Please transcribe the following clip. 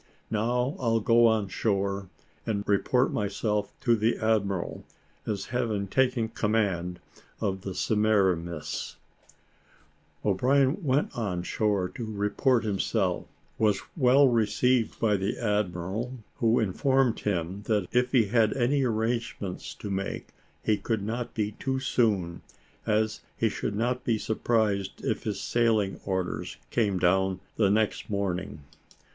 Now I'll go on shore, and report myself to the admiral, as having taken the command of the Semiramis." O'Brien went on shore to report himself, was well received by the admiral, who informed him, that if he had any arrangements to make, he could not be too soon, as he should not be surprised if his sailing orders came down the next morning.